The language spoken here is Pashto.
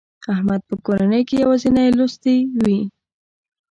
احمد په کورنۍ کې یوازینی لوستي و.